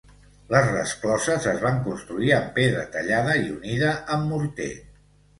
Les rescloses es van construir amb pedra tallada i unida amb morter.